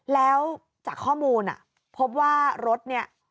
แล้วจากข้อมูลพบว่ารถเนี่ย